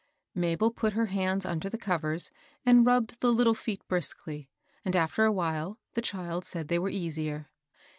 Mabel put her hands under the covers, and rubbed the Utile feet briskly, and after a while the child said they were easier.